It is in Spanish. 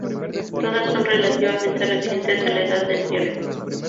Todas son relativamente recientes, de la Edad del Hierro.